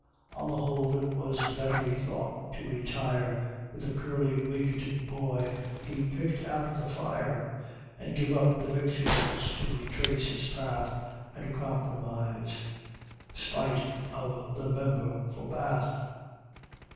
On the whole, it was better, he thought, to retire With the curly wigged boy he'd picked out of the fire, And give up the victuals to retrace his path, And to compromise (spite of the Member for Bath).